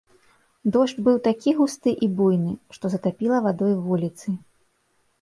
Дождж быў такі густы і буйны, што затапіла вадой вуліцы.